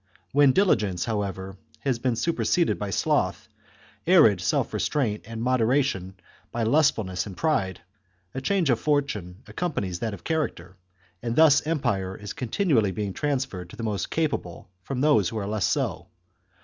When dili gence, however, has been superseded by sloth, and self restraint and moderation by lustfulness and pride, a change of fortune accompanies that of character, and thus empire is continually being transferred to the most capable from those who are less so.